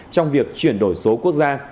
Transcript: trong việc chuyển đổi số quốc gia